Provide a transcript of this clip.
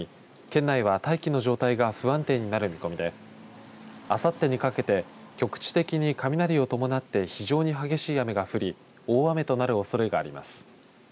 県内は大気の状態が不安定になる見込みであさってにかけて局地的に雷を伴って非常に激しい雨が降り大雨となるおそれがあります。